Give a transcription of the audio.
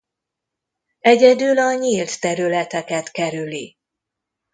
Egyedül a nyílt területeket kerüli.